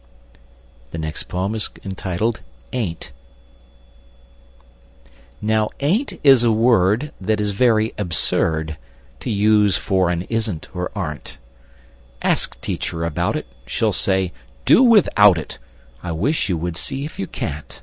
[Illustration: "Ain't"] "AIN'T" Now "ain't" is a word That is very absurd To use for an "isn't" or "aren't." Ask Teacher about it: She'll say, "Do without it!" I wish you would see if you can't!